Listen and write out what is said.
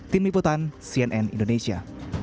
tim liputan cnn indonesia